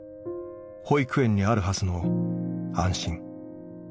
保育園にあるはずの「安心」。